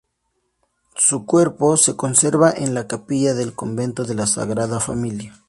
Su cuerpo se conserva en la capilla del convento de la Sagrada Familia.